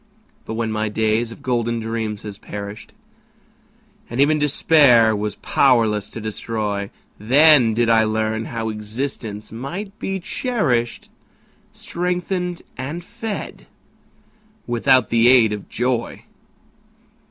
But when my days of golden dreams had perished, And even Despair was powerless to destroy, Then did I learn how existence might be cherished, Strengthened and fed without the aid of joy.